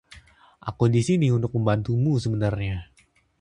Aku di sini untuk membantumu sebenarnya.